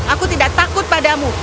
aku tidak takut padamu